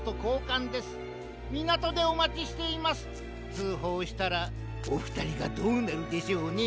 つうほうしたらおふたりがどうなるでしょうね。